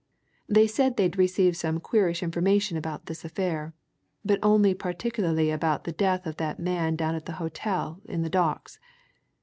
They said they'd received some queerish information about this affair, but only particularly about the death of that man down at the hotel in the Docks.